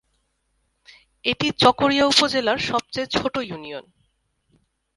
এটি চকরিয়া উপজেলার সবচেয়ে ছোট ইউনিয়ন।